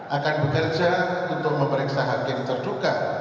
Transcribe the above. akan bekerja untuk memeriksa hak yang terduka